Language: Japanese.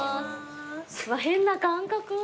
変な感覚。